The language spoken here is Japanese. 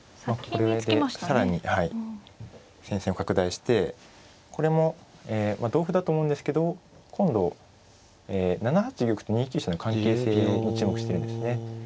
これで更に戦線を拡大してこれも同歩だと思うんですけど今度７八玉と２九飛車の関係性に注目してるんですね。